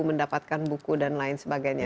mendapatkan buku dan lain sebagainya